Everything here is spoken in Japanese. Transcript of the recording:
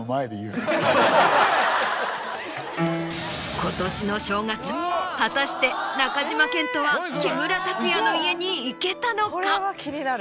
今年の正月果たして中島健人は木村拓哉の家に行けたのか？